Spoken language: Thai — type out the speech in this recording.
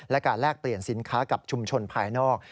และการแลกเปลี่ยนสินค้ากับชุมชนภายนอก